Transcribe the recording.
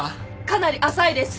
かなり浅いです。